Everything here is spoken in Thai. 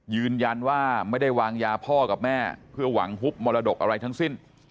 ยืนยันว่าไม่ได้วางยาพ่อกับแม่เพื่อหวังฮุบมรดกอะไรทั้งสิ้น